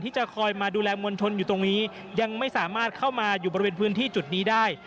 จะคอยมาดูแลมวลชนอยู่ตรงนี้ยังไม่สามารถเข้ามาอยู่บริเวณพื้นที่จุดนี้ได้